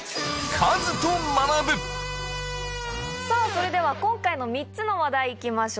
それでは今回の３つの話題いきましょう。